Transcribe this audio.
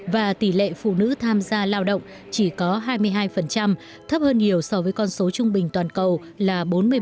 và tỷ lệ phụ nữ tham gia lao động chỉ có hai mươi hai thấp hơn nhiều so với con số trung bình toàn cầu là bốn mươi bảy